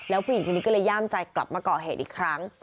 แล้วผู้หญิงคนนี้ก็เลยย่ามใจกลับมาก่อเหตุอีกครั้ง